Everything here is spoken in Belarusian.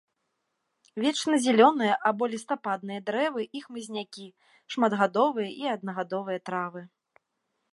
Вечназялёныя або лістападныя дрэвы і хмызнякі, шматгадовыя і аднагадовыя травы.